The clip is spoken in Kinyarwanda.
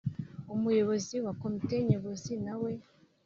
Umuyobozi wa Komite Nyobozi na we